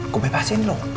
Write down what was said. gue bebasin lo